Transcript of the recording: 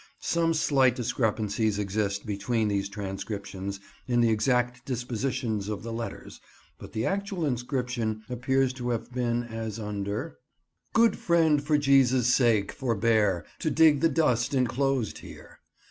Some slight discrepancies exist between these transcriptions, in the exact dispositions of the letters, but the actual inscription appears to have been as under— "Good Frend for Iesvs SAKE forbeare To diGG T E Dvst Enclo Ased HE.Re.